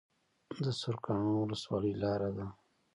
د سرکانو ولسوالۍ لاره ده